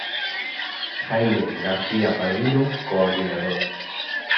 Jaime García Padrino, coord.